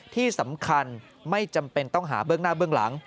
ที่สำคัญไม่จำเป็นต้องหาเบื้องหน้าเบื้องหลัง